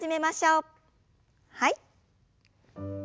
はい。